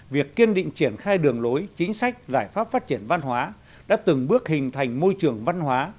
việc kiên định triển khai đường lối chính sách giải pháp phát triển văn hóa đã từng bước hình thành môi trường văn hóa